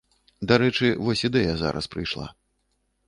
Дарэчы, вось ідэя зараз прыйшла.